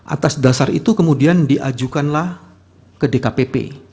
atas dasar itu kemudian diajukanlah ke dkpp